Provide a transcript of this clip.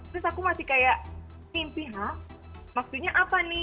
terus aku masih kayak mimpi ya maksudnya apa nih